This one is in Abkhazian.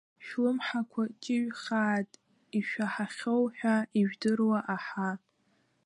Шәлымҳақәа ҷыҩхааит ишәаҳахьоу ҳәа ижәдыруа аҳа.